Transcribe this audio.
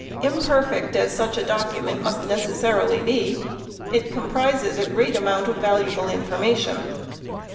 Imperfect as such a document must nec'essarily be, it comprises a great amount of valuable information.